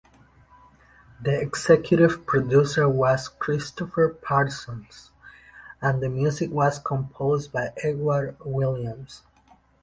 The executive producer was Christopher Parsons and the music was composed by Edward Williams.